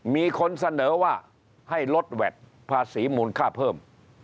มีคนเสนอว่าให้ลดแวดภาษีมูลค่าเพิ่ม